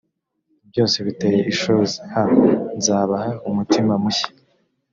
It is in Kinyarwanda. byose biteye ishozi h nzabaha umutima mushya